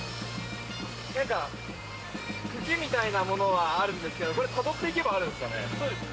茎みたいなものはあるんですけどこれをたどっていけばあるんですかね。